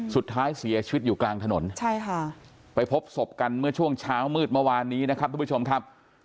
สุดท้ายเสียชีวิตอยู่กลางถนนใช่ค่ะไปพบศพกันเมื่อช่วงเช้ามืดเมื่อวานนี้นะครับทุกผู้ชมครับ